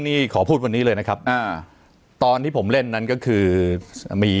นี่ขอพูดวันนี้เลยนะครับอ่าตอนที่ผมเล่นนั้นก็คือมี